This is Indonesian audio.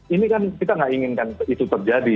ini kan kita nggak inginkan itu terjadi